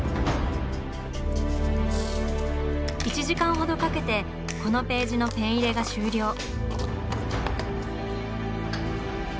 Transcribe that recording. １時間ほどかけてこのページのペン入れが終了。